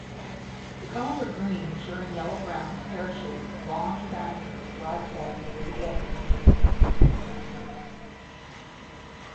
The cones are green maturing yellow-brown, pear-shaped, long and diameter, broadest near the apex.